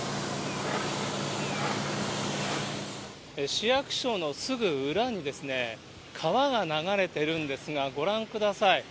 市役所のすぐ裏に川が流れてるんですが、ご覧ください。